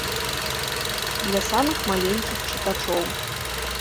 Для самых маленькіх чытачоў.